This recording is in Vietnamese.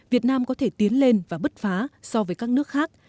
việt nam có thể tiến lên và bứt phá so với các nước khác